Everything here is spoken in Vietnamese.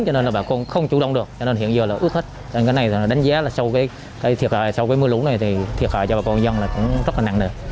cho nên bà con không chủ động được hiện giờ ướt hết đánh giá sau mưa lũ này thì thiệt hại cho bà con dân rất nặng